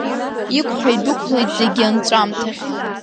Иқәҳа идәықәлоит зегь анҵәамҭахь.